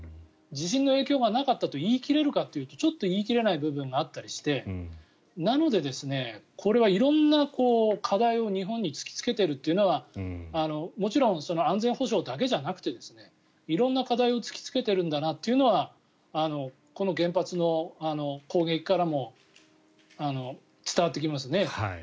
地震の影響がなかったと言い切れるかというとちょっと言い切れない部分があったりしてこれは色んな課題を日本に突きつけているというのはもちろん安全保障だけじゃなくて色んな課題を突きつけているんだなというのはこの原発の攻撃からも伝わってきますね。